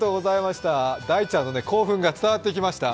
大ちゃんの興奮が伝わってきました。